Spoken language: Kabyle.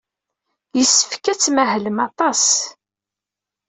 Yessefk ad tmahlem aṭas.